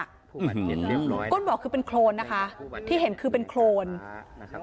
ก็เอาออกซิเจนลงไปที่ก้นบ่อใช่มั้ยคะก็เอาออกซิเจนลงไปที่ก้นบ่อใช่มั้ยคะ